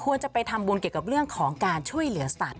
จะไปทำบุญเกี่ยวกับเรื่องของการช่วยเหลือสัตว